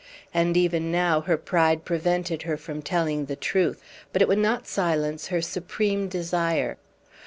And even now her pride prevented her from telling the truth; but it would not silence her supreme desire.